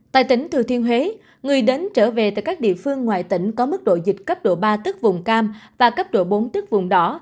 tại tỉnh thừa thiên huế người đến trở về từ các địa phương ngoài tỉnh có mức độ dịch cấp độ ba tức vùng cam và cấp độ bốn tức vùng đỏ